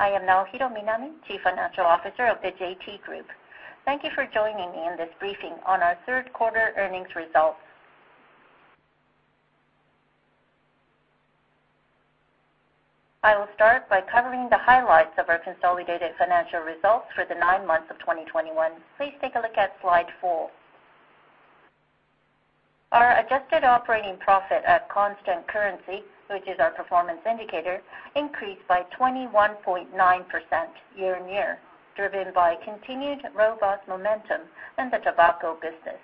I am Naohiro Minami, Chief Financial Officer of the JT Group. Thank you for joining me in this briefing on our third quarter earnings results. I will start by covering the highlights of our consolidated financial results for the 9 months of 2021. Please take a look at slide 4. Our adjusted operating profit at constant currency, which is our performance indicator, increased by 21.9% year-on-year, driven by continued robust momentum in the tobacco business.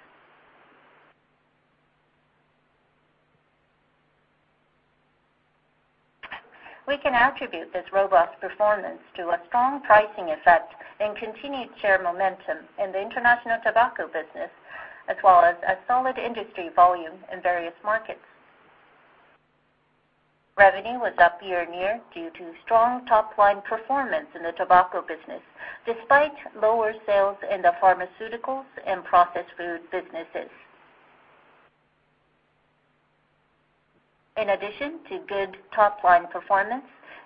We can attribute this robust performance to a strong pricing effect and continued share momentum in the international tobacco business, as well as a solid industry volume in various markets. Revenue was up year-on-year due to strong top-line performance in the tobacco business, despite lower sales in the pharmaceuticals and processed food businesses. In addition to good top-line performance,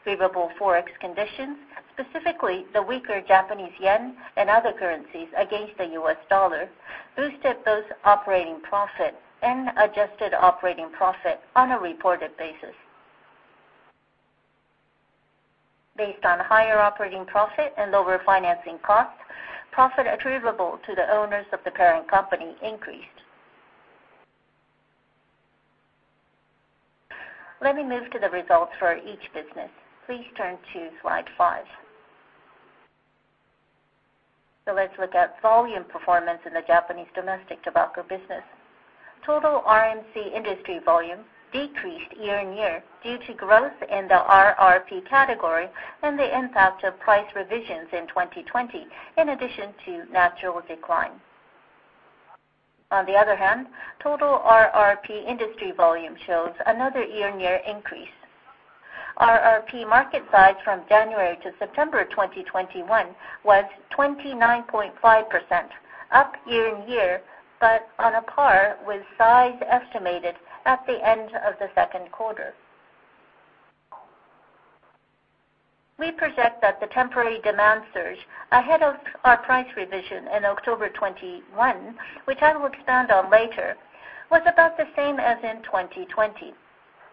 favorable forex conditions, specifically the weaker Japanese yen and other currencies against the US dollar, boosted both operating profit and adjusted operating profit on a reported basis. Based on higher operating profit and lower financing costs, profit attributable to the owners of the parent company increased. Let me move to the results for each business. Please turn to slide 5. Let's look at volume performance in the Japanese domestic tobacco business. Total RMC industry volume decreased year-on-year due to growth in the RRP category and the impact of price revisions in 2020, in addition to natural decline. On the other hand, total RRP industry volume shows another year-on-year increase. RRP market size from January to September 2021 was 29.5%, up year-on-year, but on a par with size estimated at the end of the second quarter. We project that the temporary demand surge ahead of our price revision in October 2021, which I will expand on later, was about the same as in 2020.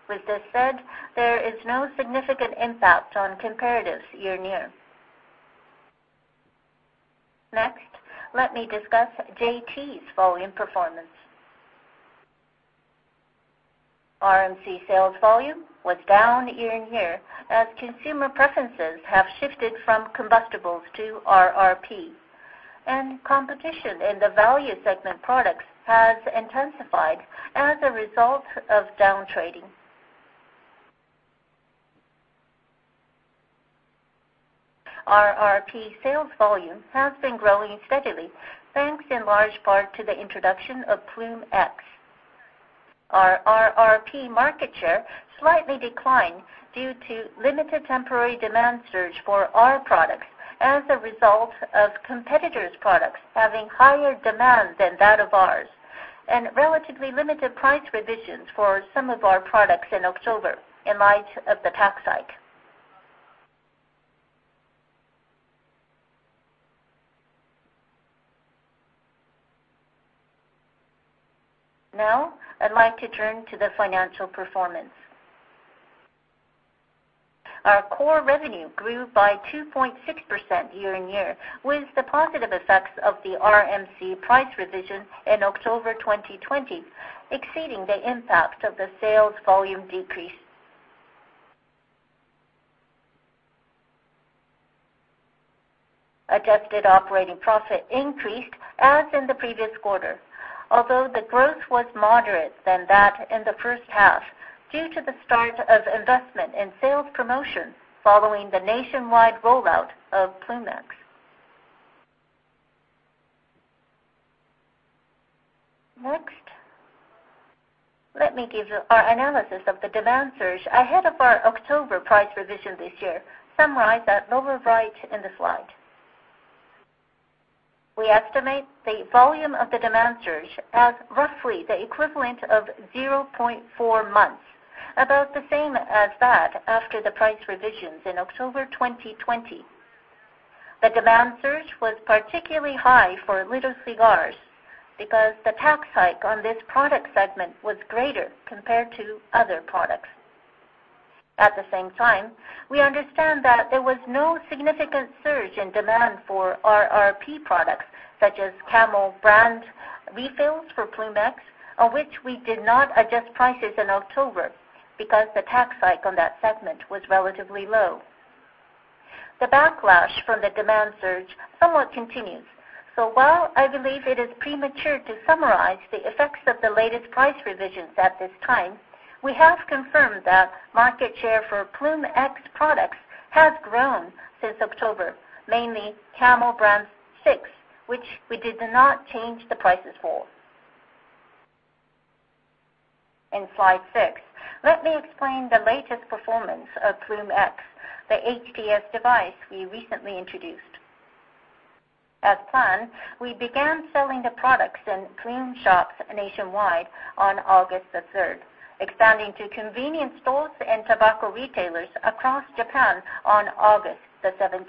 With this said, there is no significant impact on comparatives year-on-year. Next, let me discuss JT's volume performance. RMC sales volume was down year-on-year as consumer preferences have shifted from combustibles to RRP, and competition in the value segment products has intensified as a result of down trading. RRP sales volume has been growing steadily, thanks in large part to the introduction of Ploom X. Our RRP market share slightly declined due to limited temporary demand surge for our products as a result of competitors' products having higher demand than that of ours, and relatively limited price revisions for some of our products in October in light of the tax hike. Now I'd like to turn to the financial performance. Our core revenue grew by 2.6% year-on-year, with the positive effects of the RMC price revision in October 2020 exceeding the impact of the sales volume decrease. Adjusted operating profit increased, as in the previous quarter, although the growth was more moderate than that in the first half, due to the start of investment in sales promotion following the nationwide rollout of Ploom X. Next, let me give our analysis of the demand surge ahead of our October price revision this year, summarized at lower right in the slide. We estimate the volume of the demand surge as roughly the equivalent of 0.4 months, about the same as that after the price revisions in October 2020. The demand surge was particularly high for little cigars because the tax hike on this product segment was greater compared to other products. At the same time, we understand that there was no significant surge in demand for RRP products, such as Camel brand refills for Ploom X, on which we did not adjust prices in October because the tax hike on that segment was relatively low. The backlash from the demand surge somewhat continues. While I believe it is premature to summarize the effects of the latest price revisions at this time, we have confirmed that market share for Ploom X products has grown since October, mainly Camel brand sticks, which we did not change the prices for. In slide 6, let me explain the latest performance of Ploom X, the HTS device we recently introduced. As planned, we began selling the products in Ploom Shops nationwide on August 3, expanding to convenience stores and tobacco retailers across Japan on August 17.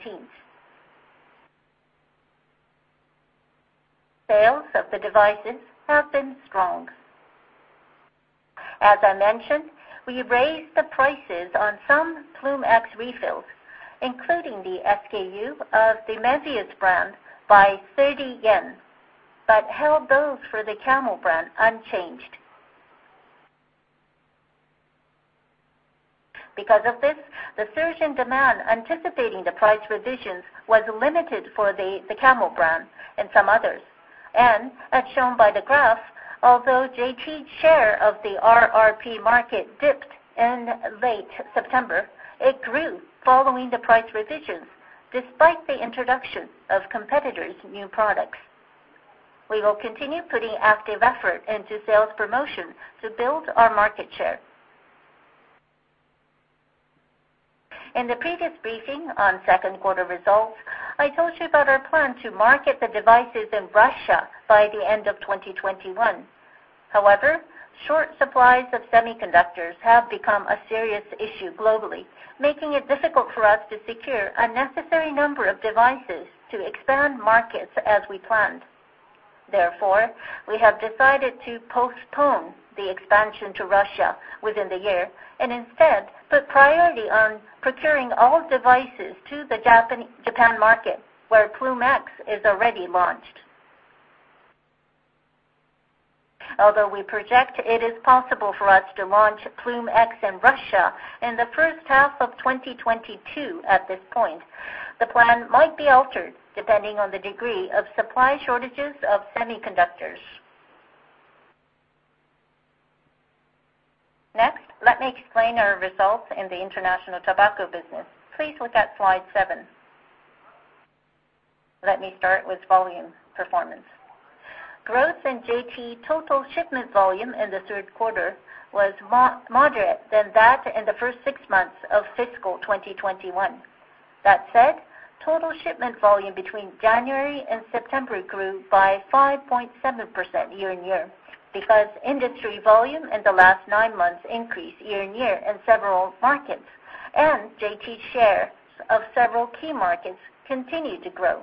Sales of the devices have been strong. As I mentioned, we raised the prices on some Ploom X refills, including the SKU of the MEVIUS brand by 30 yen, but held those for the Camel brand unchanged. Because of this, the surge in demand anticipating the price revisions was limited for the Camel brand and some others. As shown by the graph, although JT's share of the RRP market dipped in late September, it grew following the price revisions despite the introduction of competitors' new products. We will continue putting active effort into sales promotion to build our market share. In the previous briefing on second-quarter results, I told you about our plan to market the devices in Russia by the end of 2021. However, short supplies of semiconductors have become a serious issue globally, making it difficult for us to secure a necessary number of devices to expand markets as we planned. Therefore, we have decided to postpone the expansion to Russia within the year and instead put priority on procuring all devices to the Japan market, where Ploom X is already launched. Although we project it is possible for us to launch Ploom X in Russia in the first half of 2022 at this point, the plan might be altered depending on the degree of supply shortages of semiconductors. Next, let me explain our results in the international tobacco business. Please look at slide 7. Let me start with volume performance. Growth in JT total shipment volume in the third quarter was more moderate than that in the first six months of fiscal 2021. That said, total shipment volume between January and September grew by 5.7% year-on-year because industry volume in the last nine months increased year-on-year in several markets, and JT's shares of several key markets continued to grow.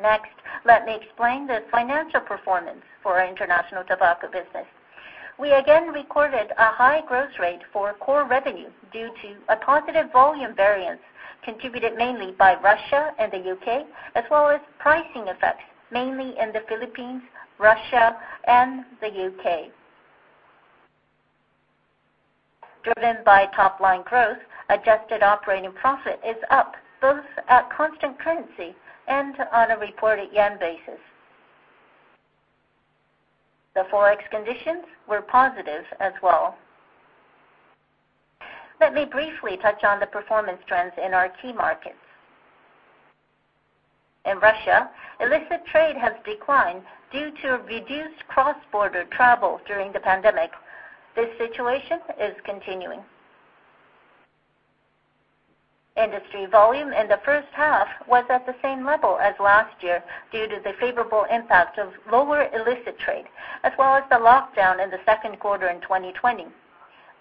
Next, let me explain the financial performance for our international tobacco business. We again recorded a high growth rate for core revenue due to a positive volume variance contributed mainly by Russia and the U.K., as well as pricing effects, mainly in the Philippines, Russia, and the U.K. Driven by top-line growth, adjusted operating profit is up both at constant currency and on a reported yen basis. The ForEx conditions were positive as well. Let me briefly touch on the performance trends in our key markets. In Russia, illicit trade has declined due to reduced cross-border travel during the pandemic. This situation is continuing. Industry volume in the first half was at the same level as last year due to the favorable impact of lower illicit trade as well as the lockdown in the second quarter in 2020.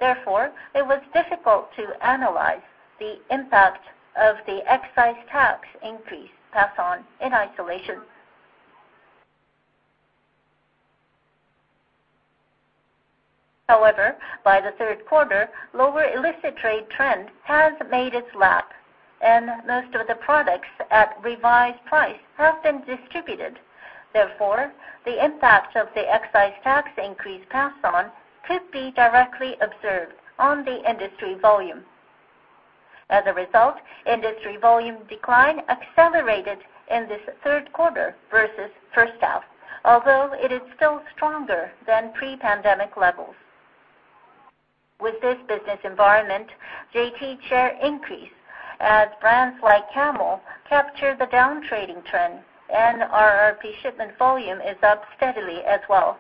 Therefore, it was difficult to analyze the impact of the excise tax increase passed on in isolation. However, by the third quarter, lower illicit trade trend has made its mark, and most of the products at revised price have been distributed. Therefore, the impact of the excise tax increase passed on could be directly observed on the industry volume. As a result, industry volume decline accelerated in this third quarter versus first half, although it is still stronger than pre-pandemic levels. With this business environment, JT's share increased as brands like Camel captured the down trading trend, and RRP shipment volume is up steadily as well.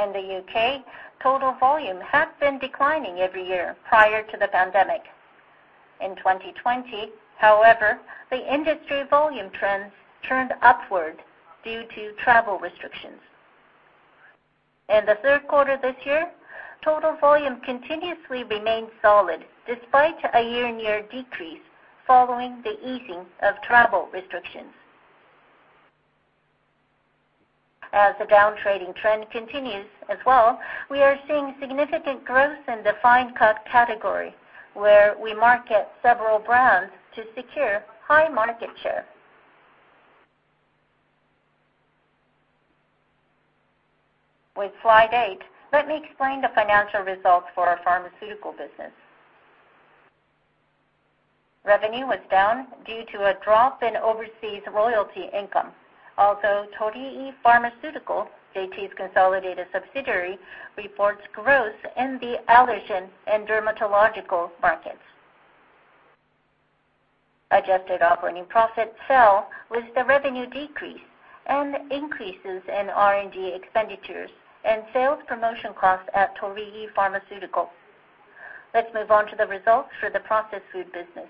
In the UK, total volume has been declining every year prior to the pandemic. In 2020, however, the industry volume trends turned upward due to travel restrictions. In the third quarter this year, total volume continuously remained solid despite a year-on-year decrease following the easing of travel restrictions. As the down trading trend continues as well, we are seeing significant growth in the fine cut category, where we market several brands to secure high market share. With slide 8, let me explain the financial results for our pharmaceutical business. Revenue was down due to a drop in overseas royalty income, although Torii Pharmaceutical, JT's consolidated subsidiary, reports growth in the allergen and dermatological markets. Adjusted operating profit fell with the revenue decrease and increases in R&D expenditures and sales promotion costs at Torii Pharmaceutical. Let's move on to the results for the processed food business.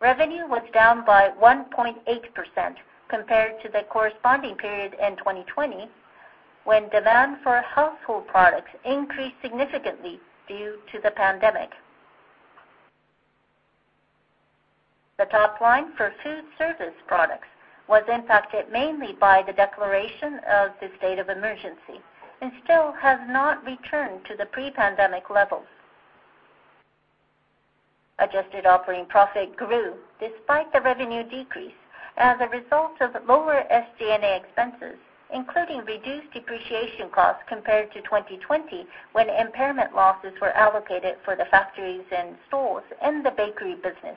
Revenue was down by 1.8% compared to the corresponding period in 2020, when demand for household products increased significantly due to the pandemic. The top line for food service products was impacted mainly by the declaration of the state of emergency, and still has not returned to the pre-pandemic levels. Adjusted operating profit grew despite the revenue decrease as a result of lower SG&A expenses, including reduced depreciation costs compared to 2020, when impairment losses were allocated for the factories and stores in the bakery business,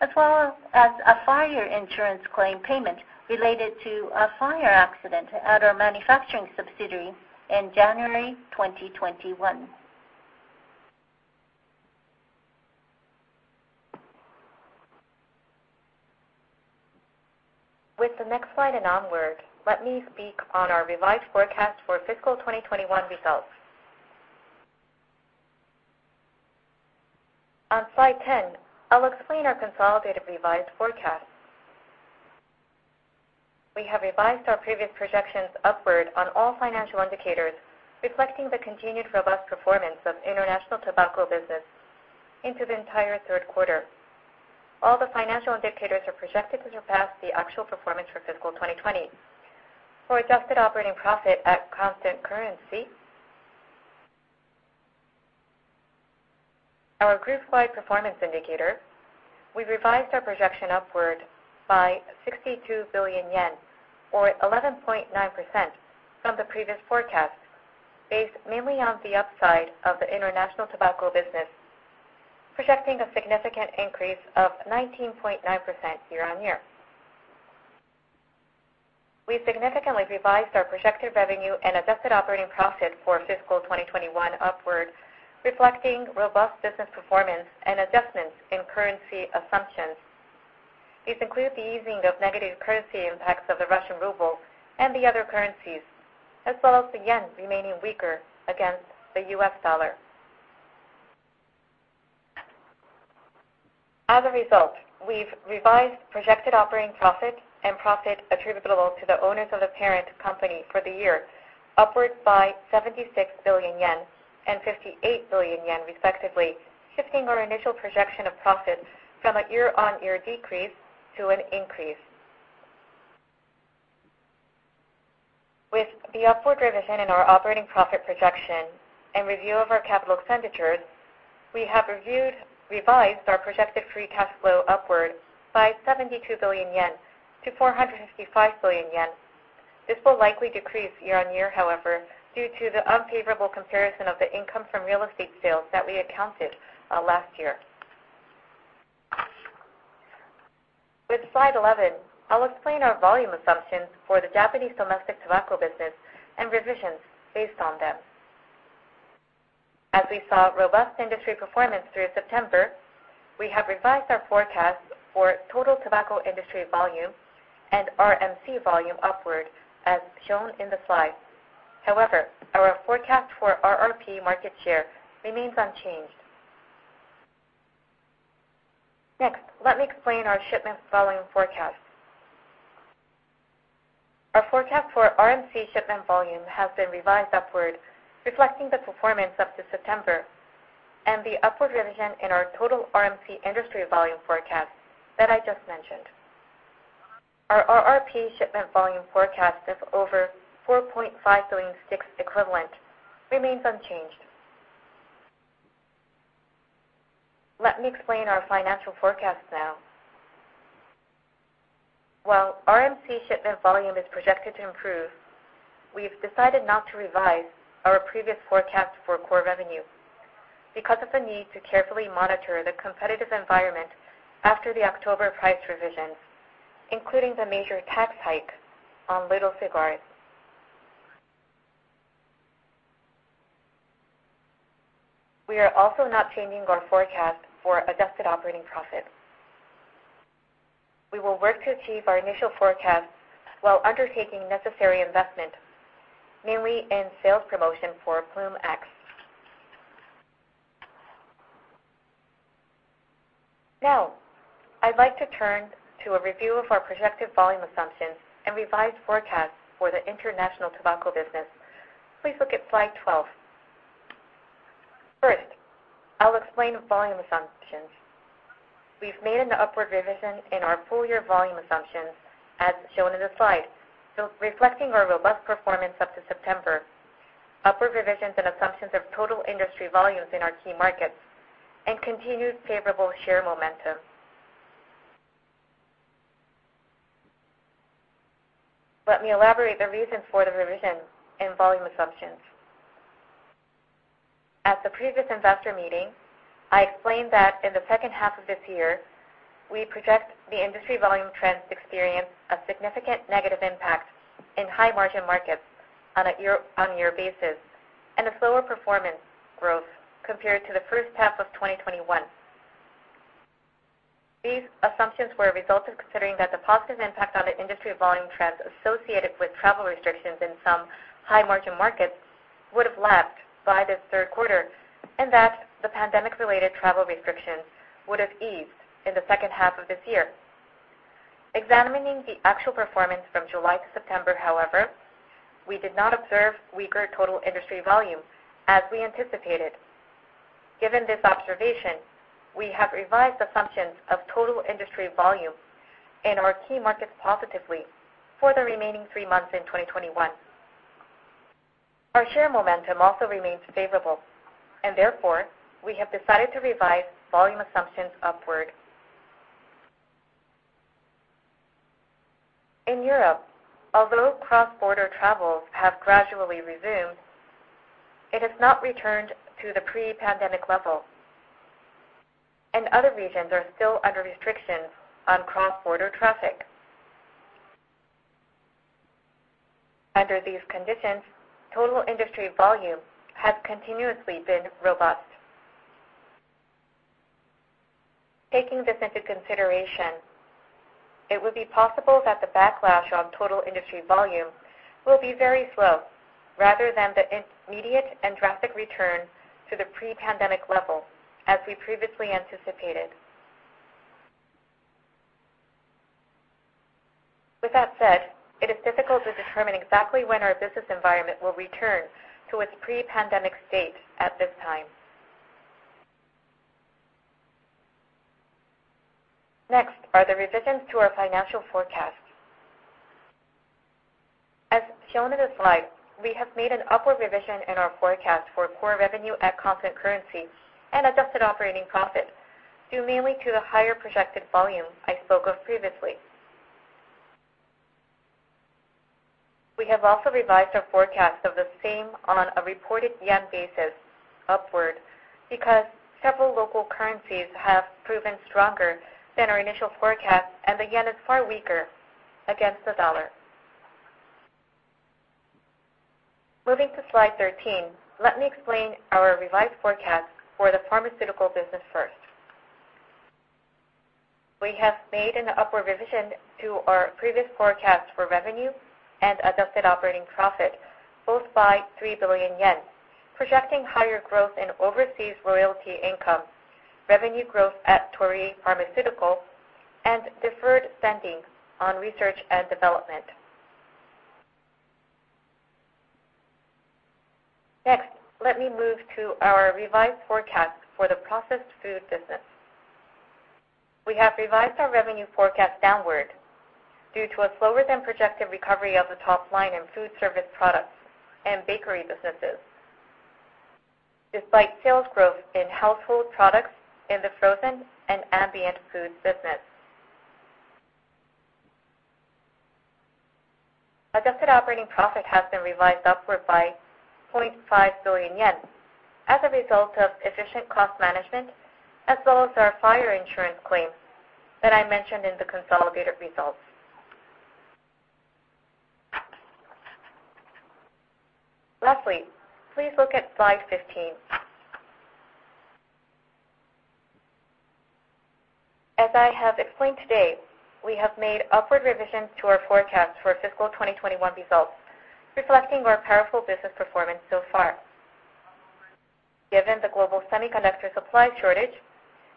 as well as a fire insurance claim payment related to a fire accident at our manufacturing subsidiary in January 2021. With the next slide and onward, let me speak on our revised forecast for fiscal 2021 results. On slide 10, I'll explain our consolidated revised forecast. We have revised our previous projections upward on all financial indicators, reflecting the continued robust performance of international tobacco business into the entire third quarter. All the financial indicators are projected to surpass the actual performance for fiscal 2020. For adjusted operating profit at constant currency, our group-wide performance indicator, we revised our projection upward by 62 billion yen, or 11.9% from the previous forecast, based mainly on the upside of the international tobacco business, projecting a significant increase of 19.9% year-on-year. We significantly revised our projected revenue and adjusted operating profit for fiscal 2021 upward, reflecting robust business performance and adjustments in currency assumptions. These include the easing of negative currency impacts of the Russian ruble and the other currencies, as well as the yen remaining weaker against the US dollar. As a result, we've revised projected operating profit and profit attributable to the owners of the parent company for the year upward by 76 billion yen and 58 billion yen respectively, shifting our initial projection of profit from a year-on-year decrease to an increase. With the upward revision in our operating profit projection and review of our capital expenditures, we have reviewed our projected free cash flow upward by 72 billion yen to 455 billion yen. This will likely decrease year-on-year, however, due to the unfavorable comparison of the income from real estate sales that we accounted last year. With slide 11, I'll explain our volume assumptions for the Japanese domestic tobacco business and revisions based on them. As we saw robust industry performance through September, we have revised our forecast for total tobacco industry volume and RMC volume upward, as shown in the slide. However, our forecast for RRP market share remains unchanged. Next, let me explain our shipment volume forecast. Our forecast for RMC shipment volume has been revised upward, reflecting the performance up to September and the upward revision in our total RMC industry volume forecast that I just mentioned. Our RRP shipment volume forecast of over 4.5 billion sticks equivalent remains unchanged. Let me explain our financial forecast now. While RMC shipment volume is projected to improve, we've decided not to revise our previous forecast for core revenue because of the need to carefully monitor the competitive environment after the October price revisions, including the major tax hike on little cigars. We are also not changing our forecast for adjusted operating profit. We will work to achieve our initial forecast while undertaking necessary investment, mainly in sales promotion for Ploom X. Now, I'd like to turn to a review of our projected volume assumptions and revised forecasts for the international tobacco business. Please look at slide 12. First, I'll explain volume assumptions. We've made an upward revision in our full year volume assumptions, as shown in the slide, re-reflecting our robust performance up to September, upward revisions and assumptions of total industry volumes in our key markets, and continued favorable share momentum. Let me elaborate the reasons for the revision in volume assumptions. At the previous investor meeting, I explained that in the second half of this year, we project the industry volume trends experience a significant negative impact in high-margin markets on a year-on-year basis. A slower performance growth compared to the first half of 2021. These assumptions were a result of considering that the positive impact on the industry volume trends associated with travel restrictions in some high-margin markets would have lapped by the third quarter, and that the pandemic-related travel restrictions would have eased in the second half of this year. Examining the actual performance from July to September, however, we did not observe weaker total industry volume as we anticipated. Given this observation, we have revised assumptions of total industry volume in our key markets positively for the remaining three months in 2021. Our share momentum also remains favorable, and therefore, we have decided to revise volume assumptions upward. In Europe, although cross-border travels have gradually resumed, it has not returned to the pre-pandemic level, and other regions are still under restrictions on cross-border traffic. Under these conditions, total industry volume has continuously been robust. Taking this into consideration, it would be possible that the backlash on total industry volume will be very slow rather than the immediate and drastic return to the pre-pandemic level, as we previously anticipated. With that said, it is difficult to determine exactly when our business environment will return to its pre-pandemic state at this time. Next are the revisions to our financial forecasts. As shown in the slide, we have made an upward revision in our forecast for core revenue at constant currency and adjusted operating profit, due mainly to the higher projected volume I spoke of previously. We have also revised our forecast of the same on a reported yen basis upward because several local currencies have proven stronger than our initial forecast, and the yen is far weaker against the dollar. Moving to slide 13. Let me explain our revised forecast for the pharmaceutical business first. We have made an upward revision to our previous forecast for revenue and adjusted operating profit, both by 3 billion yen, projecting higher growth in overseas royalty income, revenue growth at Torii Pharmaceutical, and deferred spending on research and development. Next, let me move to our revised forecast for the processed food business. We have revised our revenue forecast downward due to a slower-than-projected recovery of the top line in food service products and bakery businesses, despite sales growth in household products in the frozen and ambient food business. Adjusted operating profit has been revised upward by 0.5 billion yen as a result of efficient cost management, as well as our fire insurance claim that I mentioned in the consolidated results. Lastly, please look at slide 15. As I have explained today, we have made upward revisions to our forecast for FY 2021 results, reflecting our powerful business performance so far. Given the global semiconductor supply shortage,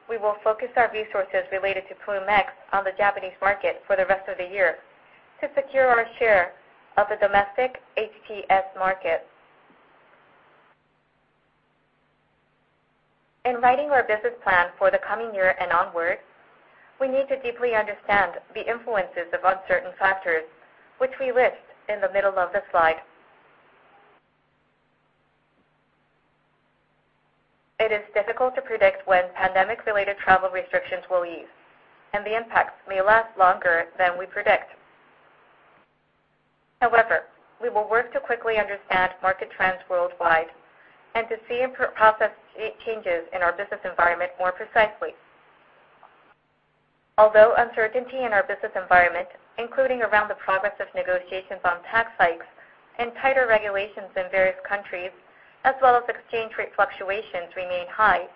we will focus our resources related to Ploom X on the Japanese market for the rest of the year to secure our share of the domestic HTS market. In writing our business plan for the coming year and onward, we need to deeply understand the influences of uncertain factors, which we list in the middle of the slide. It is difficult to predict when pandemic-related travel restrictions will ease, and the impacts may last longer than we predict. However, we will work to quickly understand market trends worldwide and to see and process changes in our business environment more precisely. Although uncertainty in our business environment, including around the progress of negotiations on tax hikes and tighter regulations in various countries, as well as exchange rate fluctuations remain high,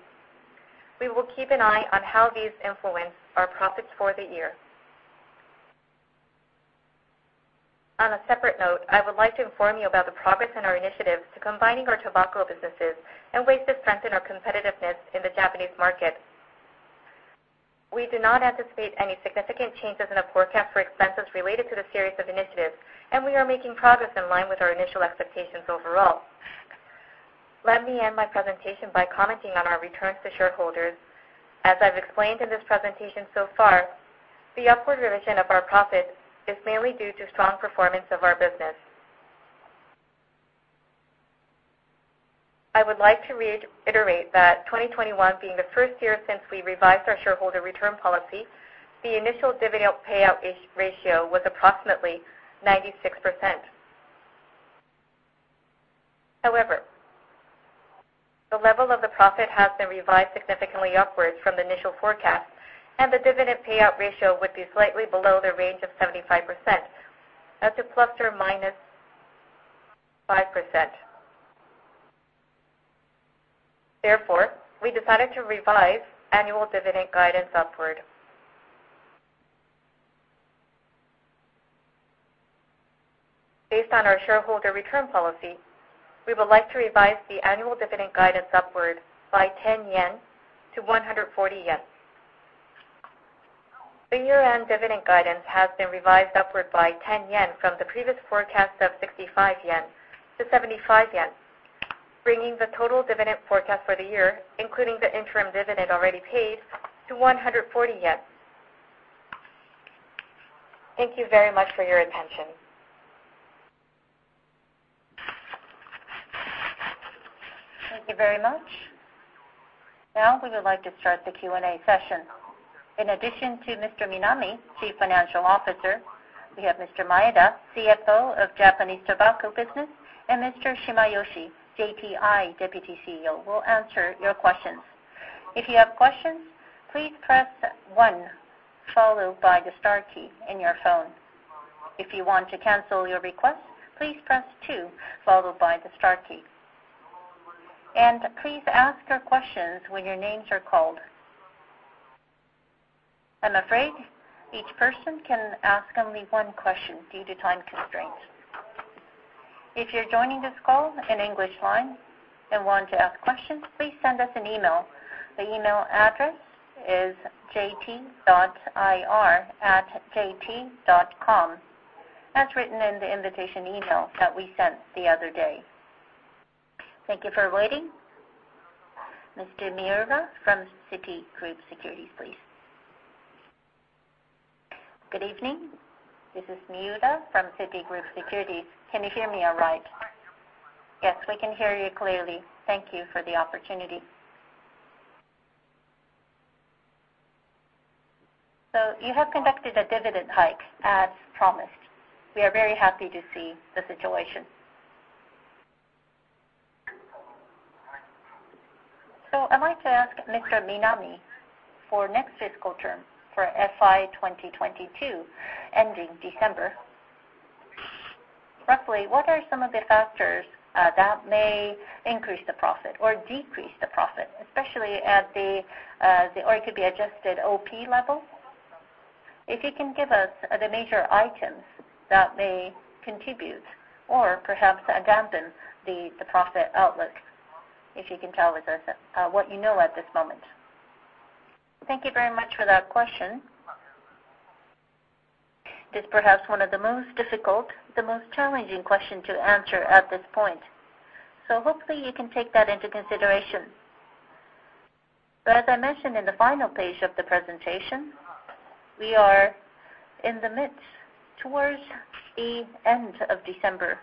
we will keep an eye on how these influence our profits for the year. On a separate note, I would like to inform you about the progress in our initiatives to combining our tobacco businesses and ways to strengthen our competitiveness in the Japanese market. We do not anticipate any significant changes in the forecast for expenses related to the series of initiatives, and we are making progress in line with our initial expectations overall. Let me end my presentation by commenting on our returns to shareholders. As I've explained in this presentation so far, the upward revision of our profit is mainly due to strong performance of our business. I would like to reiterate that 2021 being the first year since we revised our shareholder return policy, the initial dividend payout ratio was approximately 96%. However, the level of the profit has been revised significantly upwards from the initial forecast, and the dividend payout ratio would be slightly below the range of 75% ±5%. Therefore, we decided to revise annual dividend guidance upward. Based on our shareholder return policy, we would like to revise the annual dividend guidance upward by 10 yen to 140 yen. The year-end dividend guidance has been revised upward by 10 yen from the previous forecast of 65 yen to 75 yen, bringing the total dividend forecast for the year, including the interim dividend already paid, to 140 yen. Thank you very much for your attention. Thank you very much. Now we would like to start the Q&A session. In addition to Mr. Minami, Chief Financial Officer, we have Mr. Maeda, CFO of Japan Tobacco Business, and Mr. Shimayoshi, JTI Deputy CEO, will answer your questions. If you have questions, please press one followed by the star key in your phone. If you want to cancel your request, please press two followed by the star key. Please ask your questions when your names are called. I'm afraid each person can ask only one question due to time constraints. If you're joining this call in English line and want to ask questions, please send us an email. The email address is jt.ir@jt.com, as written in the invitation email that we sent the other day. Thank you for waiting. Mr. Miura from Citigroup Global Markets Japan, please. Good evening. This is Miura from Citigroup Global Markets Japan. Can you hear me all right? Yes, we can hear you clearly. Thank you for the opportunity. You have conducted a dividend hike as promised. We are very happy to see the situation. I'd like to ask Mr. Minami for next fiscal term for FY 2022 ending December. Roughly, what are some of the factors that may increase the profit or decrease the profit, especially at the adjusted OP level? If you can give us the major items that may contribute or perhaps dampen the profit outlook, if you can tell us what you know at this moment. Thank you very much for that question. It is perhaps one of the most difficult, the most challenging question to answer at this point. Hopefully you can take that into consideration. As I mentioned in the final page of the presentation, we are in the midst towards the end of December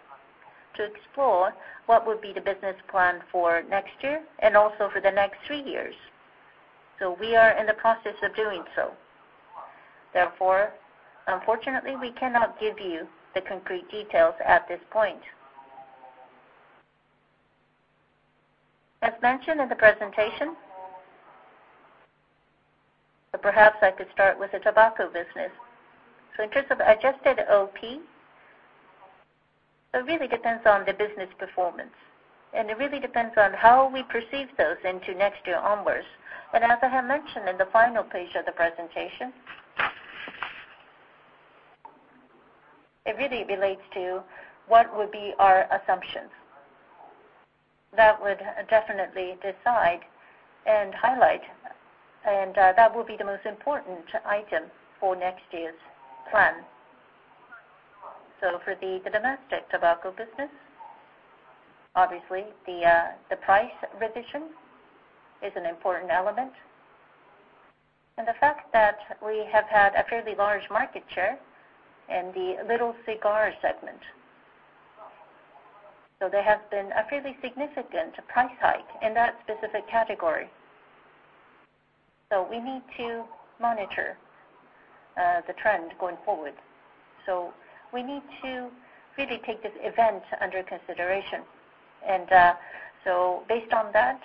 to explore what would be the business plan for next year and also for the next three years. We are in the process of doing so. Therefore, unfortunately, we cannot give you the concrete details at this point. As mentioned in the presentation, perhaps I could start with the tobacco business. In case of adjusted OP, it really depends on the business performance, and it really depends on how we perceive those into next year onwards. As I have mentioned in the final page of the presentation, it really relates to what would be our assumptions. That would definitely decide and highlight, and that will be the most important item for next year's plan. For the domestic tobacco business, obviously the price revision is an important element and the fact that we have had a fairly large market share in the little cigars segment. There has been a fairly significant price hike in that specific category. We need to monitor the trend going forward. We need to really take this event under consideration. Based on that,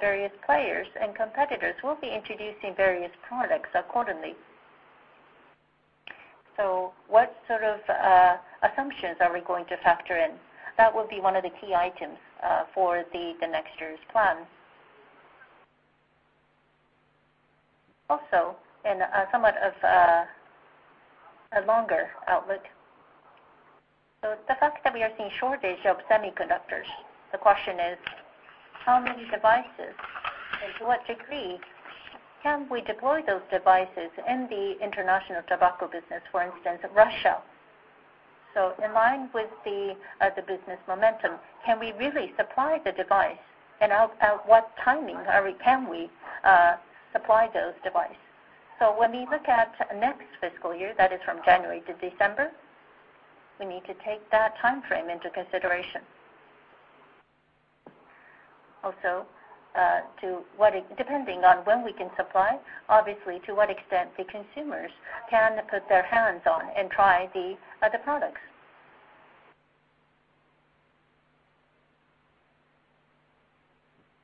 various players and competitors will be introducing various products accordingly. What sort of assumptions are we going to factor in? That will be one of the key items for the next year's plans. Also, in somewhat of a longer outlook. The fact that we are seeing shortage of semiconductors, the question is how many devices and to what degree can we deploy those devices in the international tobacco business, for instance, Russia. In line with the business momentum, can we really supply the device and at what timing can we supply those devices? When we look at next fiscal year, that is from January to December, we need to take that time frame into consideration. Also, to what extent, depending on when we can supply, obviously to what extent the consumers can put their hands on and try the products.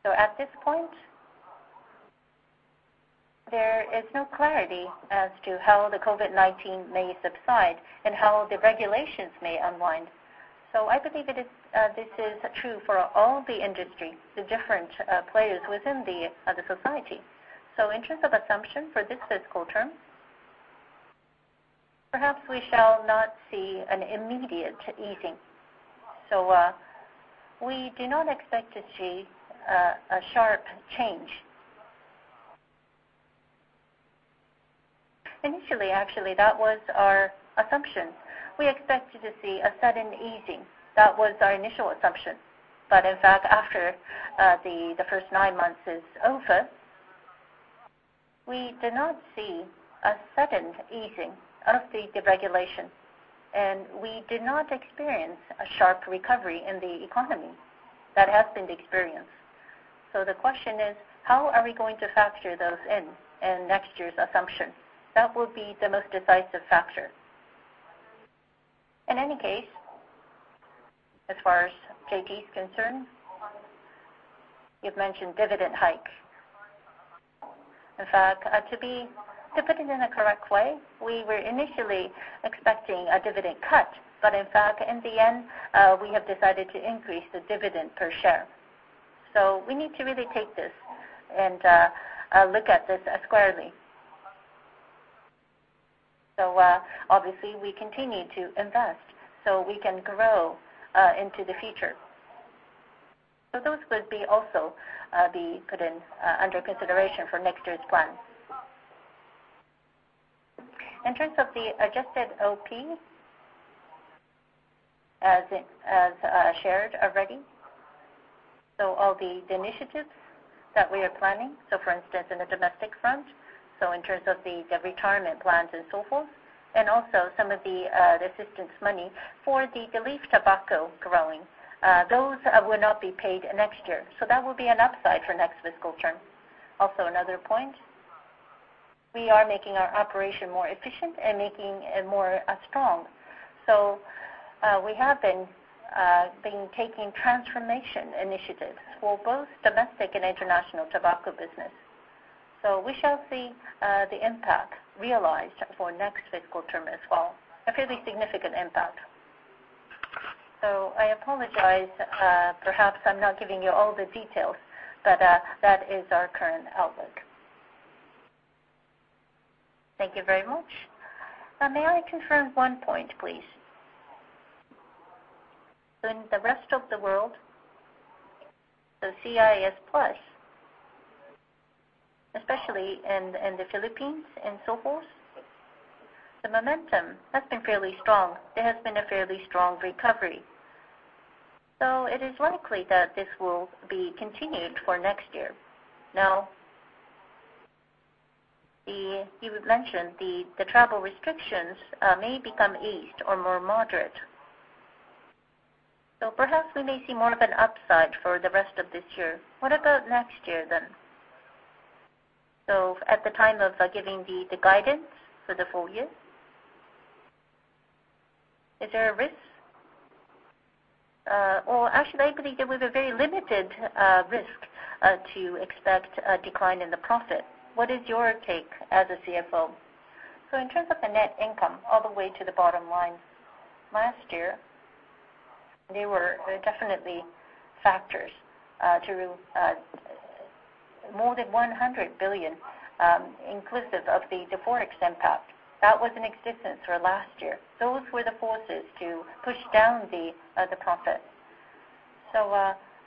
At this point, there is no clarity as to how the COVID-19 may subside and how the regulations may unwind. I believe it is true for all the industry, the different players within the society. In terms of assumption for this fiscal term, perhaps we shall not see an immediate easing. We do not expect to see a sharp change. Initially, actually, that was our assumption. We expected to see a sudden easing. That was our initial assumption. In fact, after the first nine months is over, we did not see a sudden easing of the regulation, and we did not experience a sharp recovery in the economy. That has been the experience. So the question is, how are we going to factor those in next year's assumption? That will be the most decisive factor. In any case, as far as JT is concerned, you've mentioned dividend hike. In fact, to put it in a correct way, we were initially expecting a dividend cut, but in fact, in the end, we have decided to increase the dividend per share. So we need to really take this and look at this squarely. So obviously, we continue to invest so we can grow into the future. Those would be also be put in under consideration for next year's plan. In terms of the adjusted OP, as shared already, all the initiatives that we are planning, for instance, in the domestic front, in terms of the retirement plans and so forth, and also some of the the assistance money for the leaf tobacco growing, those will not be paid next year. That will be an upside for next fiscal term. Also, another point, we are making our operation more efficient and making it more strong. We have been taking transformation initiatives for both domestic and international tobacco business. We shall see the impact realized for next fiscal term as well, a fairly significant impact. I apologize, perhaps I'm not giving you all the details, but that is our current outlook. Thank you very much. May I confirm one point, please? In the rest of the world, the CIS+, especially in the Philippines and so forth, the momentum has been fairly strong. There has been a fairly strong recovery. It is likely that this will be continued for next year. Now, you mentioned the travel restrictions may become eased or more moderate. Perhaps we may see more of an upside for the rest of this year. What about next year then? At the time of giving the guidance for the full year, is there a risk? Or actually, I believe there was a very limited risk to expect a decline in the profit. What is your take as a CFO? In terms of the net income all the way to the bottom line, last year, there were definitely factors to more than 100 billion, inclusive of the Forex impact. That was in existence for last year. Those were the forces to push down the profit.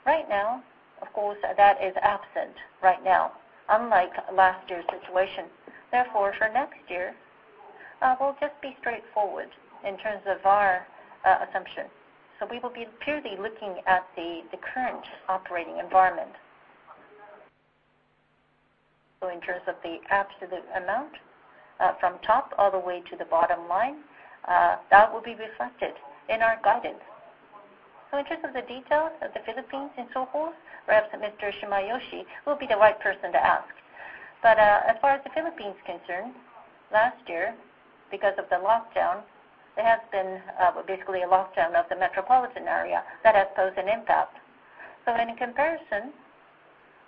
Right now, of course, that is absent right now, unlike last year's situation. Therefore, for next year, we'll just be straightforward in terms of our assumption. We will be purely looking at the current operating environment. In terms of the absolute amount, from top all the way to the bottom line, that will be reflected in our guidance. In terms of the details of the Philippines and so forth, perhaps Mr. Shimayoshi will be the right person to ask. As far as the Philippines concerned, last year, because of the lockdown, there has been basically a lockdown of the metropolitan area that has posed an impact. In comparison,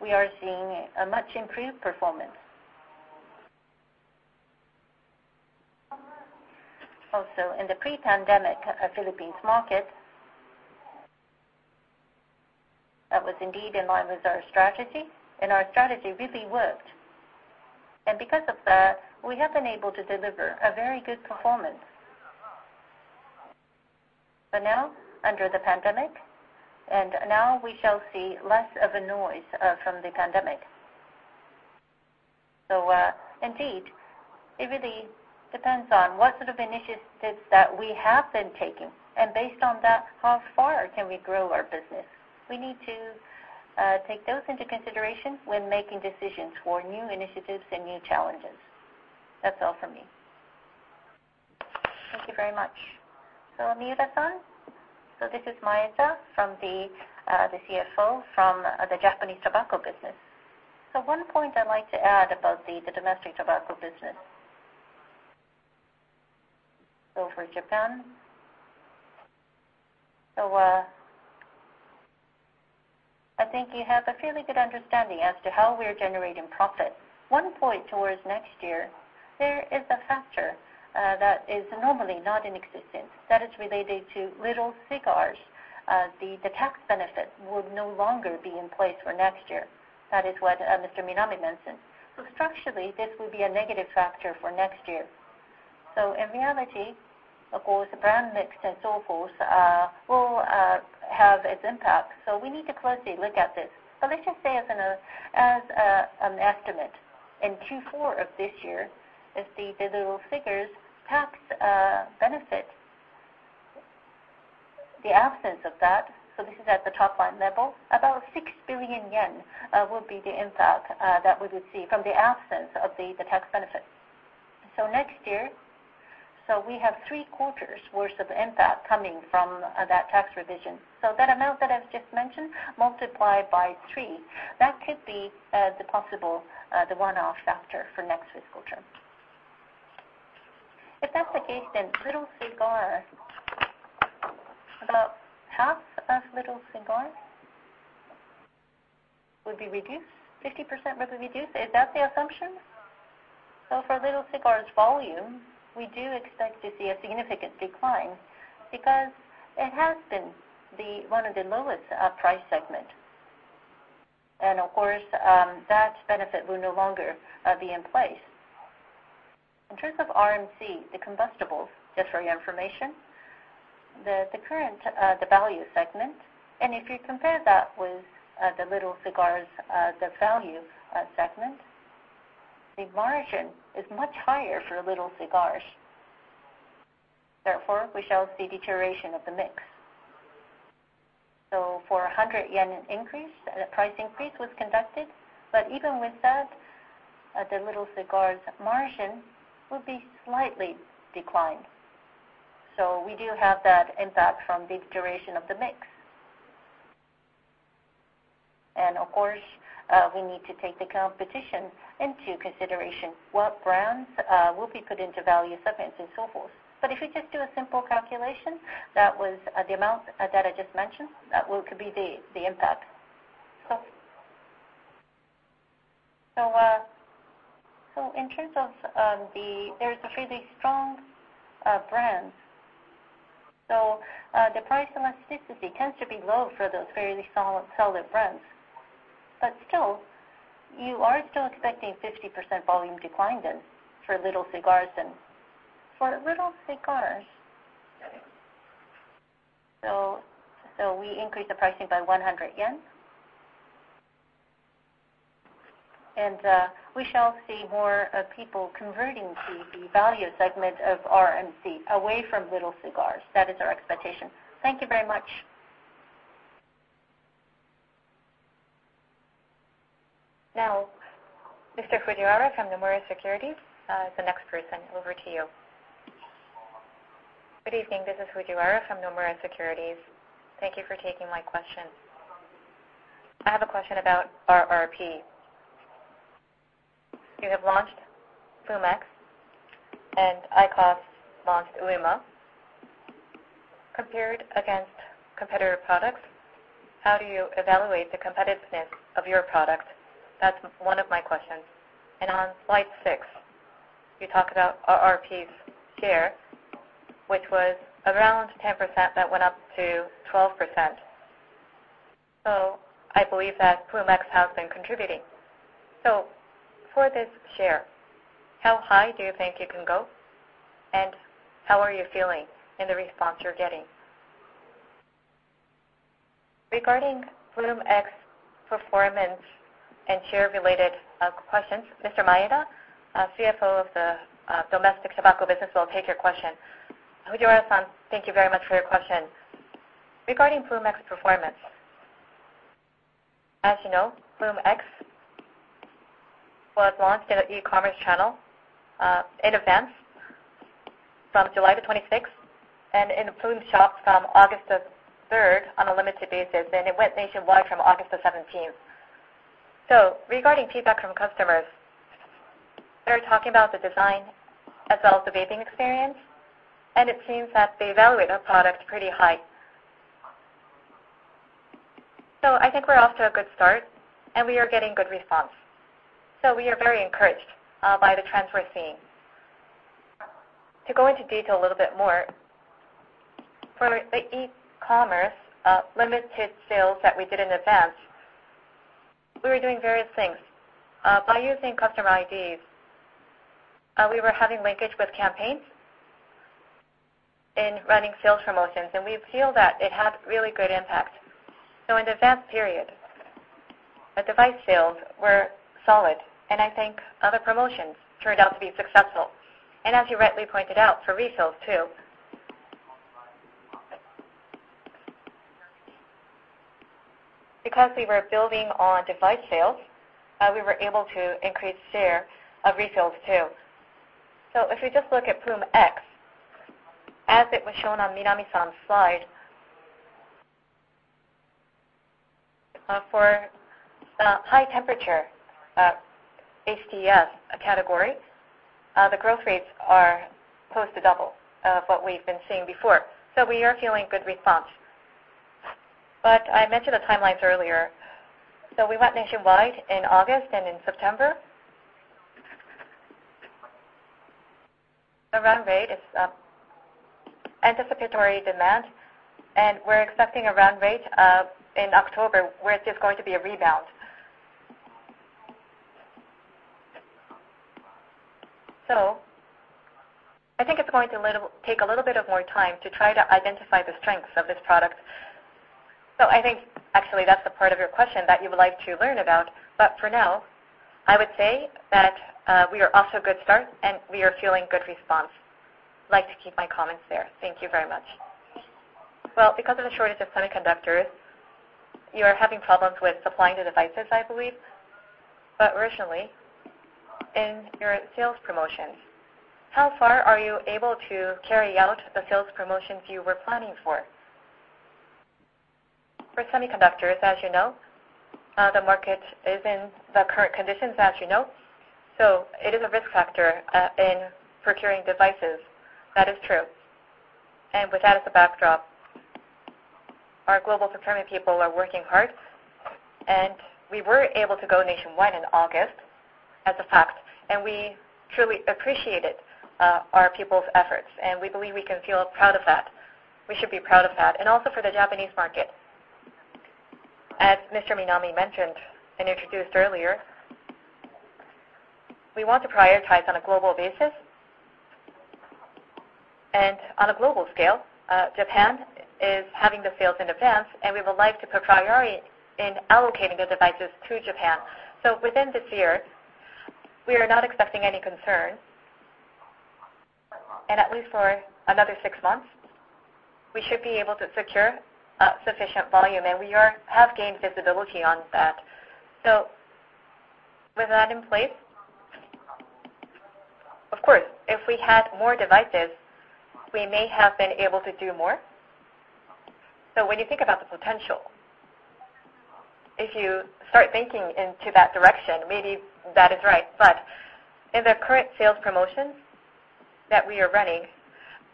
we are seeing a much improved performance. Also, in the pre-pandemic Philippines market, that was indeed in line with our strategy, and our strategy really worked. Because of that, we have been able to deliver a very good performance. Now, under the pandemic, and now we shall see less of a noise from the pandemic. Indeed, it really depends on what sort of initiatives that we have been taking, and based on that, how far can we grow our business. We need to take those into consideration when making decisions for new initiatives and new challenges. That's all for me. Thank you very much. Miura-san. This is Maeda from the, a CFO from the Japan Tobacco business. One point I'd like to add about the domestic tobacco business over Japan. I think you have a fairly good understanding as to how we are generating profit. One point towards next year, there is a factor that is normally not in existence, that is related to little cigars. The tax benefit would no longer be in place for next year. That is what Mr. Minami mentioned. Structurally, this will be a negative factor for next year. In reality, of course, brand mix and so forth will have its impact, so we need to closely look at this. Let's just say as an estimate. In Q4 of this year is the little cigars tax benefit. The absence of that, this is at the top line level, about 6 billion yen, will be the impact that we would see from the absence of the tax benefit. Next year, we have 3 quarters' worth of impact coming from that tax revision. That amount that I've just mentioned, multiply by 3. That could be the possible one-off factor for next fiscal term. If that's the case, then little cigar, about half of little cigar would be reduced, 50% would be reduced. Is that the assumption? For little cigars volume, we do expect to see a significant decline because it has been the one of the lowest price segment. Of course, that benefit will no longer be in place. In terms of RMC, the combustibles, just for your information, the current value segment, and if you compare that with the little cigars value segment, the margin is much higher for little cigars. Therefore, we shall see deterioration of the mix. For 100 yen increase, price increase was conducted, but even with that, the little cigars margin will be slightly declined. We do have that impact from the deterioration of the mix. Of course, we need to take the competition into consideration, what brands will be put into value segments and so forth. If you just do a simple calculation, that was the amount that I just mentioned, that could be the impact. Okay. In terms of the, there's a fairly strong brand. The price elasticity tends to be low for those fairly solid brands. Still, you are still expecting 50% volume decline then for little cigars then? For little cigars, we increase the pricing by 100 yen. We shall see more people converting to the value segment of RMC away from little cigars. That is our expectation. Thank you very much. Now, Mr. Fujiwara from Nomura Securities is the next person. Over to you. Good evening. This is Fujiwara from Nomura Securities. Thank you for taking my question. I have a question about RRP. You have launched Ploom X and IQOS launched ILUMA. Compared against competitor products, how do you evaluate the competitiveness of your product? That's one of my questions. On slide six, you talk about RRPs here, which was around 10% that went up to 12%. I believe that Ploom X has been contributing. For this share, how high do you think you can go, and how are you feeling in the response you're getting? Regarding Ploom X performance and share-related questions, Mr. Maeda, CFO of the domestic tobacco business will take your question. Fujiwara-san, thank you very much for your question. Regarding Ploom X performance, as you know, Ploom X was launched in an e-commerce channel in advance from July 26 and in Ploom Shops from August 3 on a limited basis, and it went nationwide from August 17. Regarding feedback from customers, they're talking about the design as well as the vaping experience, and it seems that they evaluate our product pretty high. I think we're off to a good start, and we are getting good response. We are very encouraged by the trends we're seeing. To go into detail a little bit more, for the e-commerce limited sales that we did in advance, we were doing various things. By using customer IDs, we were having linkage with campaigns in running sales promotions, and we feel that it had really good impact. In the advanced period, the device sales were solid, and I think other promotions turned out to be successful. As you rightly pointed out, for resales too. Because we were building on device sales, we were able to increase share of resales too. If we just look at Ploom X, as it was shown on Minami-san's slide. For high temperature HTS category, the growth rates are close to double what we've been seeing before. We are feeling good response. I mentioned the timelines earlier. We went nationwide in August, and in September the run rate is anticipatory demand, and we're expecting a run rate in October, where it is going to be a rebound. I think it's going to take a little bit more time to try to identify the strengths of this product. I think actually that's the part of your question that you would like to learn about. For now, I would say that we are off to a good start, and we are feeling good response. I'd like to keep my comments there. Thank you very much. Well, because of the shortage of semiconductors, you are having problems with supplying the devices, I believe. Originally, in your sales promotions, how far are you able to carry out the sales promotions you were planning for? For semiconductors, as you know, the market is in the current conditions, as you know. It is a risk factor in procuring devices. That is true. With that as a backdrop, our global procurement people are working hard, and we were able to go nationwide in August as a fact, and we truly appreciated our people's efforts, and we believe we can feel proud of that. We should be proud of that. Also for the Japanese market, as Mr. Minami mentioned and introduced earlier, we want to prioritize on a global basis. On a global scale, Japan is having the sales in advance, and we would like to prioritize in allocating the devices to Japan. Within this year, we are not expecting any concern. At least for another six months, we should be able to secure sufficient volume, and we have gained visibility on that. With that in place, of course, if we had more devices, we may have been able to do more. When you think about the potential, if you start thinking into that direction, maybe that is right. In the current sales promotions that we are running,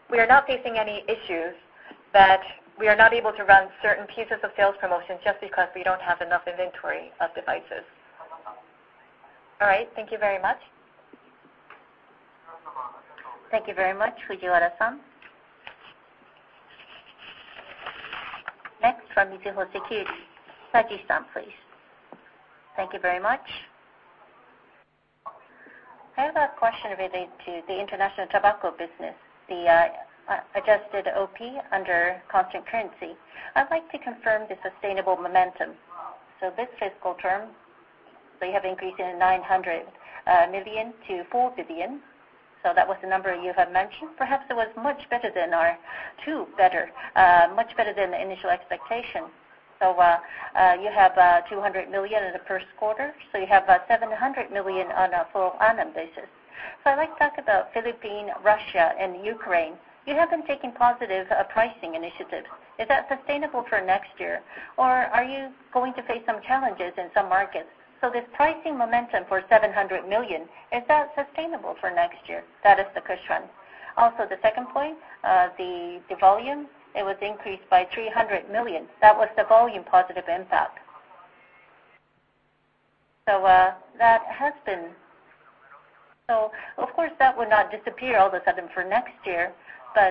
we are not facing any issues that we are not able to run certain pieces of sales promotions just because we don't have enough inventory of devices. All right. Thank you very much. Thank you very much, Fujiwara-san. Next, from Mizuho Securities, Saji-san, please. Thank you very much. I have a question related to the international tobacco business, the, adjusted OP under constant currency. I'd like to confirm the sustainable momentum. This fiscal term, you have increased it 900 million to 4 billion. That was the number you have mentioned. Perhaps it was much better than the initial expectation. You have 200 million in the first quarter, so you have 700 million on a full annual basis. I'd like to talk about Philippines, Russia, and Ukraine. You have been taking positive pricing initiatives. Is that sustainable for next year, or are you going to face some challenges in some markets? This pricing momentum for 700 million, is that sustainable for next year? That is the first one. Also, the second point, the volume, it was increased by 300 million. That was the volume positive impact. Of course, that would not disappear all of a sudden for next year.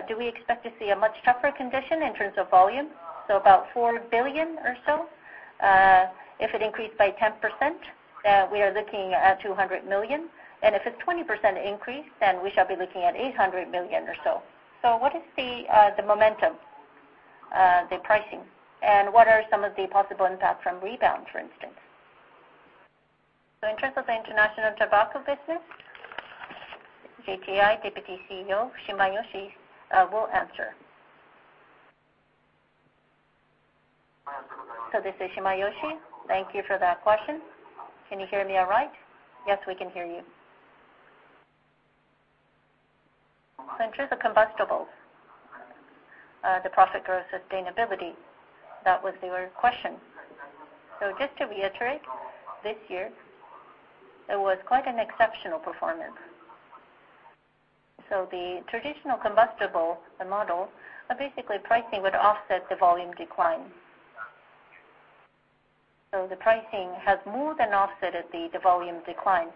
Do we expect to see a much tougher condition in terms of volume? About 4 billion or so. If it increased by 10%, we are looking at 200 million. If it's 20% increase, then we shall be looking at 800 million or so. What is the momentum, the pricing? What are some of the possible impact from rebound, for instance? In terms of the international tobacco business, JTI Deputy CEO Shimayoshi will answer. This is Shimayoshi. Thank you for that question. Can you hear me all right? Yes, we can hear you. In terms of combustibles, the profit growth sustainability, that was your question. Just to reiterate, this year it was quite an exceptional performance. The traditional combustible, the model, basically pricing would offset the volume decline. The pricing has more than offset the volume decline.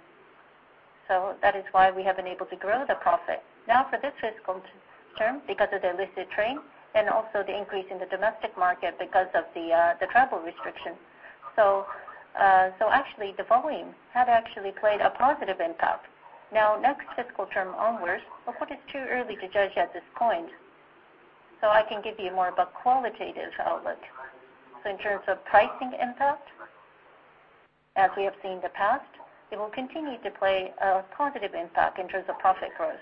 That is why we have been able to grow the profit. For this fiscal term, because of the illicit trade and also the increase in the domestic market because of the travel restrictions, actually the volume had played a positive impact. Next fiscal term onwards, of course it's too early to judge at this point, I can give you more of a qualitative outlook. In terms of pricing impact, as we have seen in the past, it will continue to play a positive impact in terms of profit growth.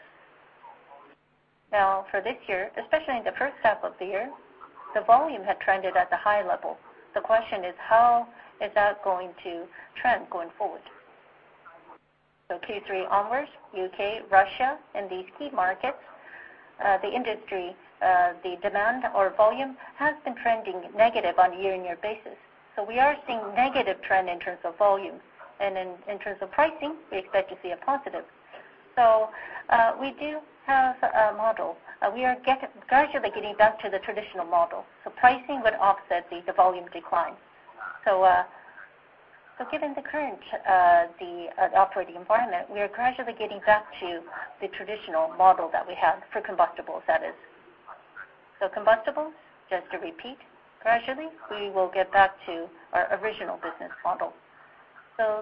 Now, for this year, especially in the first half of the year, the volume had trended at a high level. The question is how is that going to trend going forward? Q3 onwards, U.K., Russia and these key markets, the industry, the demand or volume has been trending negative on a year-on-year basis. We are seeing negative trend in terms of volume. In terms of pricing, we expect to see a positive. We do have a model. We are gradually getting back to the traditional model. Pricing would offset the volume decline. Given the current operating environment, we are gradually getting back to the traditional model that we have for combustibles, that is. Combustibles, just to repeat, gradually we will get back to our original business model.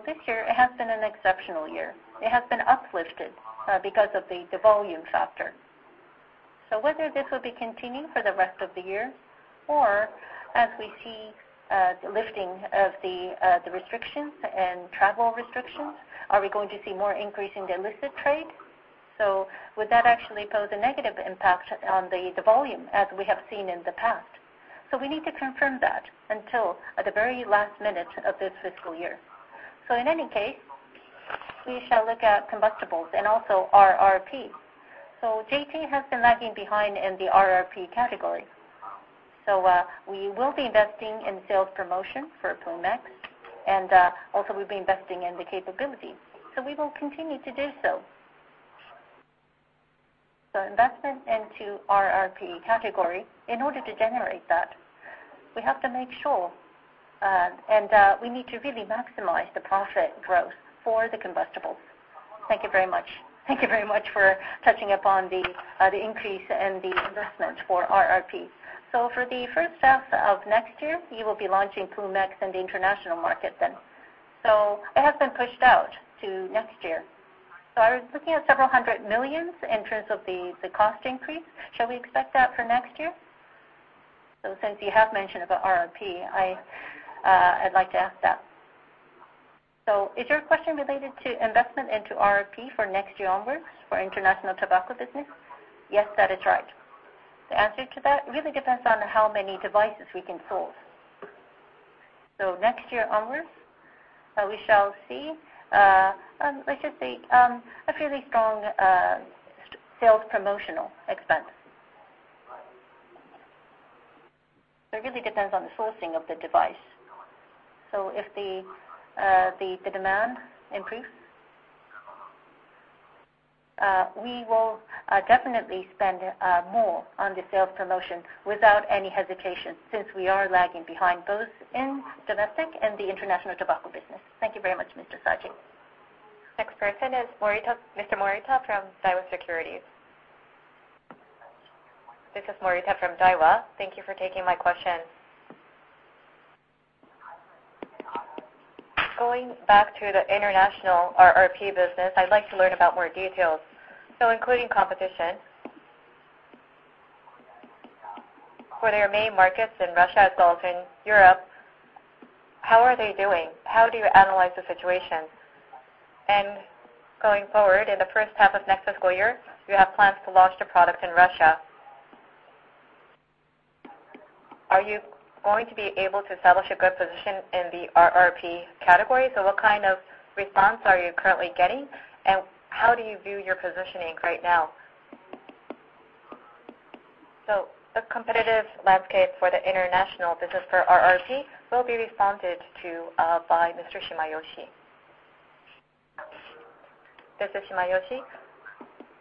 This year, it has been an exceptional year. It has been uplifted because of the volume factor. Whether this will be continuing for the rest of the year, or as we see the lifting of the restrictions and travel restrictions, are we going to see more increase in the illicit trade? Would that actually pose a negative impact on the volume as we have seen in the past? We need to confirm that until at the very last minute of this fiscal year. In any case, we shall look at combustibles and also RRP. JT has been lagging behind in the RRP category. We will be investing in sales promotion for Ploom X, and also we'll be investing in the capability. We will continue to do so. Investment into RRP category, in order to generate that, we have to make sure we need to really maximize the profit growth for the combustibles. Thank you very much. Thank you very much for touching upon the increase and the investment for RRP. For the first half of next year, you will be launching Ploom X in the international market then. It has been pushed out to next year. I was looking at several hundred million in terms of the cost increase. Shall we expect that for next year? Since you have mentioned about RRP, I'd like to ask that. Is your question related to investment into RRP for next year onwards for international tobacco business? Yes, that is right. The answer to that really depends on how many devices we can source. Next year onwards, we shall see, let's just say, a fairly strong sales promotional expense. It really depends on the sourcing of the device. If the demand improves, we will definitely spend more on the sales promotion without any hesitation since we are lagging behind both in domestic and the international tobacco business. Thank you very much, Mr. Saji. Next person is Morita, Mr. Morita from Daiwa Securities. This is Morita from Daiwa. Thank you for taking my question. Going back to the international RRP business, I'd like to learn about more details. Including competition, for their main markets in Russia, Gulf, and Europe, how are they doing? How do you analyze the situation? Going forward, in the first half of next fiscal year, you have plans to launch the product in Russia. Are you going to be able to establish a good position in the RRP category? What kind of response are you currently getting, and how do you view your positioning right now? The competitive landscape for the international business for RRP will be responded to by Mr. Shimayoshi. This is Shimayoshi.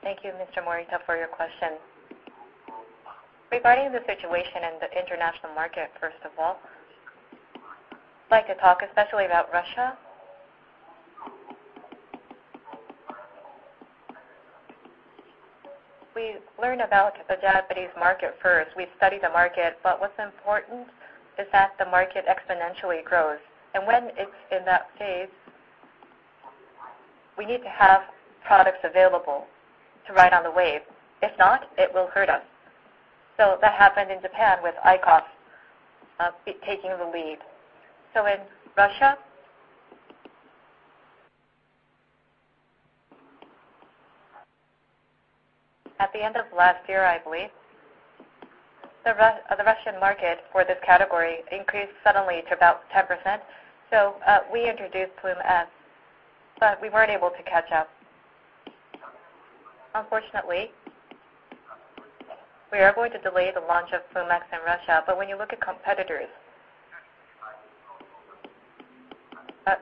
Thank you, Mr. Morita, for your question. Regarding the situation in the international market, first of all, I'd like to talk especially about Russia. We learn about the Japanese market first. We study the market, but what's important is that the market exponentially grows. When it's in that phase, we need to have products available to ride on the wave. If not, it will hurt us. That happened in Japan with IQOS taking the lead. In Russia, at the end of last year, I believe, the Russian market for this category increased suddenly to about 10%. We introduced Ploom S, but we weren't able to catch up. Unfortunately, we are going to delay the launch of Ploom X in Russia. When you look at competitors,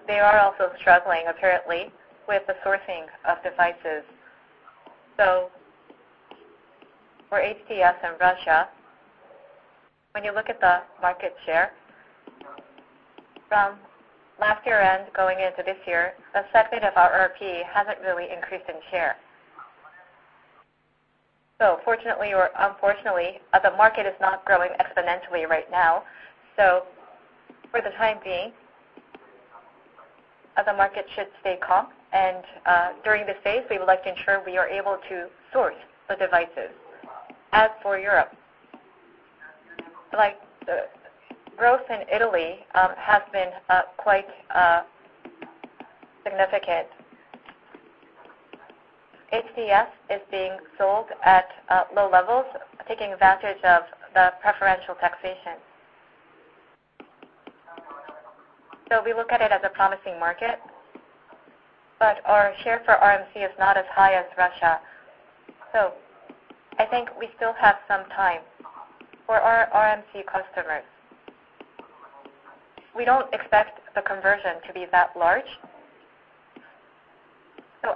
they are also struggling apparently with the sourcing of devices. For HTS in Russia, when you look at the market share from last year-end going into this year, the segment of RRP hasn't really increased in share. Fortunately or unfortunately, the market is not growing exponentially right now. For the time being, the market should stay calm. During this phase, we would like to ensure we are able to source the devices. As for Europe, like, growth in Italy has been quite significant. HTS is being sold at low levels, taking advantage of the preferential taxation. We look at it as a promising market, but our share for RMC is not as high as Russia. I think we still have some time for our RMC customers. We don't expect the conversion to be that large.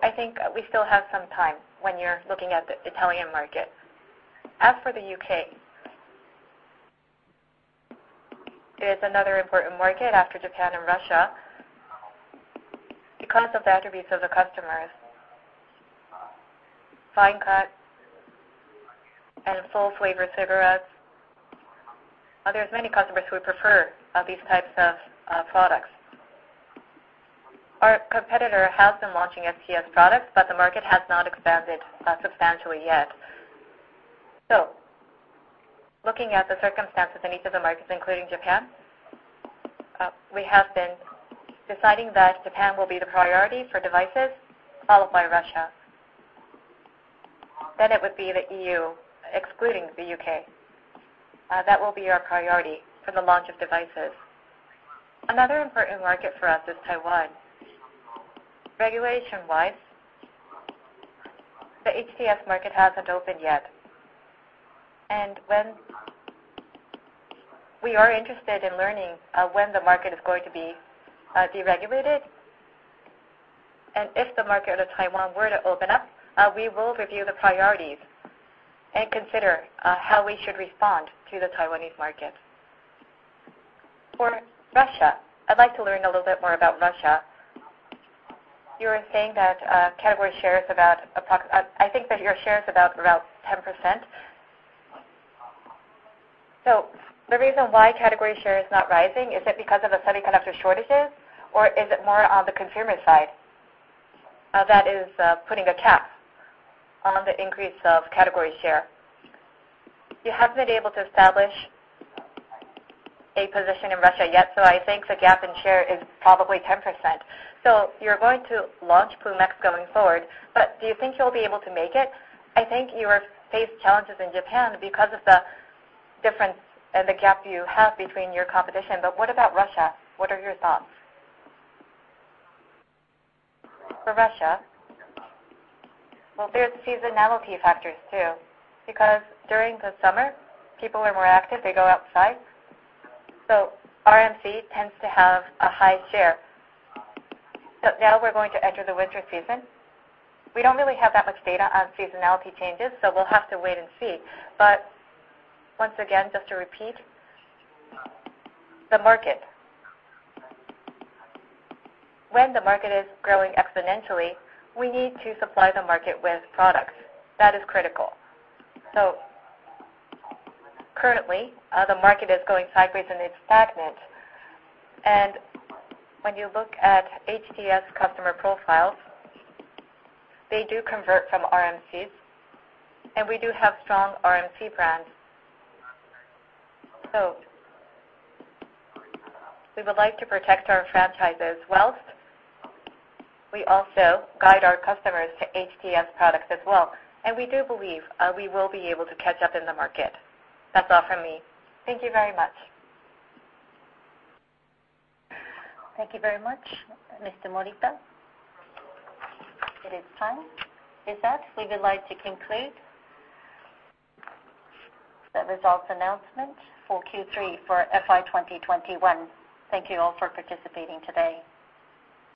I think we still have some time when you're looking at the Italian market. As for the U.K., it is another important market after Japan and Russia because of the attributes of the customers. Fine cut and full-flavor cigarettes. There's many customers who prefer these types of products. Our competitor has been launching HTS products, but the market has not expanded substantially yet. Looking at the circumstances in each of the markets, including Japan, we have been deciding that Japan will be the priority for devices, followed by Russia. It would be the E.U., excluding the U.K. That will be our priority for the launch of devices. Another important market for us is Taiwan. Regulation-wise, the HTS market hasn't opened yet. We are interested in learning when the market is going to be deregulated. If the market of Taiwan were to open up, we will review the priorities and consider how we should respond to the Taiwanese market. For Russia, I'd like to learn a little bit more about Russia. You were saying that category share is about. I think that your share is about around 10%. So the reason why category share is not rising, is it because of the semiconductor shortages, or is it more on the consumer side that is putting a cap on the increase of category share? You haven't been able to establish a position in Russia yet, so I think the gap in share is probably 10%. So you're going to launch Ploom X going forward, but do you think you'll be able to make it? I think you have faced challenges in Japan because of the difference and the gap you have between your competition, but what about Russia? What are your thoughts? For Russia, well, there's seasonality factors too, because during the summer, people are more active, they go outside, so RMC tends to have a high share. Now we're going to enter the winter season. We don't really have that much data on seasonality changes, so we'll have to wait and see. Once again, just to repeat, the market, when the market is growing exponentially, we need to supply the market with products. That is critical. Currently, the market is going sideways, and it's stagnant. When you look at HTS customer profiles, they do convert from RMCs, and we do have strong RMC brands. We would like to protect our franchises while we also guide our customers to HTS products as well. We do believe we will be able to catch up in the market. That's all from me. Thank you very much. Thank you very much, Mr. Morita. It is time. With that, we would like to conclude the results announcement for Q3 for FY 2021. Thank you all for participating today.